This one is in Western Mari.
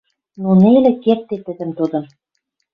Но нелӹ кердде тӹдӹм тодын...